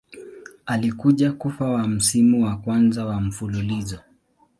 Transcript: Alikuja kufa wa msimu wa kwanza wa mfululizo.